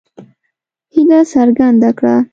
هیله څرګنده کړه.